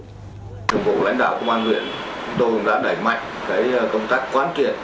chủng vụ lãnh đạo công an huyện tôi đã đẩy mạnh công tác quán kiện